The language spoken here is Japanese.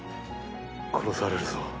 殺されるぞ。